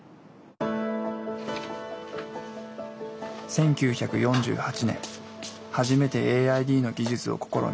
１９４８年初めてＡＩＤの技術を試み